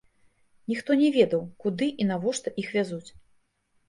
Ніхто не ведаў, куды і навошта іх вязуць.